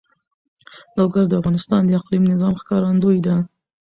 لوگر د افغانستان د اقلیمي نظام ښکارندوی ده.